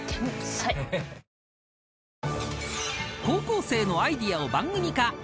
［高校生のアイデアを番組化。